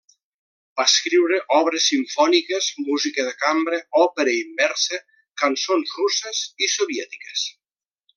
Va escriure obres simfòniques, música de cambra, òpera inversa, cançons russes i soviètiques.